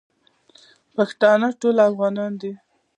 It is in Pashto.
پښتانه ټول افغانان دي